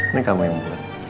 ini kamu yang beli